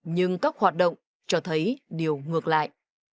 nhưng các hoạt động cho thấy điều ngược lại